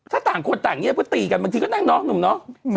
ถ้าต่างคนต่างเงียบก็ตีกันบางทีก็นั่งเนาะหนุ่มเนาะ